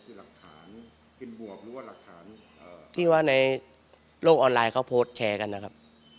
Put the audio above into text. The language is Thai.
คือหลักฐานเป็นบวกหรือว่าหลักฐานที่ว่าในโลกออนไลน์เขาโพสต์แชร์กันนะครับ